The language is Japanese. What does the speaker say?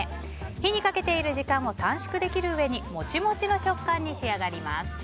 火にかけている時間を短縮できるうえにモチモチの食感に仕上がります。